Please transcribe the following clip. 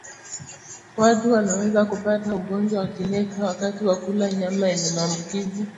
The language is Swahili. Watu wanaweza kupata ugonjwa wa kimeta wakati wa kula nyama yenye maambukizi